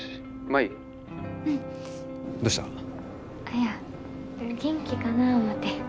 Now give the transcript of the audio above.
いや元気かなぁ思て。